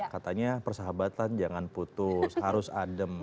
katanya persahabatan jangan putus harus adem